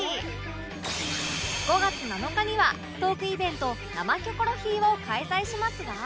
５月７日にはトークイベント「生キョコロヒー」を開催しますが